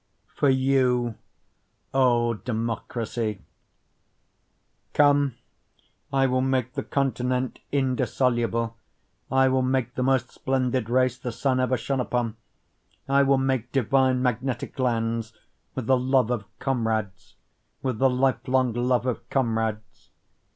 For You, O Democracy Come, I will make the continent indissoluble, I will make the most splendid race the sun ever shone upon, I will make divine magnetic lands, With the love of comrades, With the life long love of comrades.